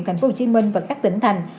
tp hcm và các tỉnh thành